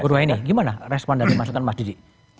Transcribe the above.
guru aini gimana respon dari masutan mas didi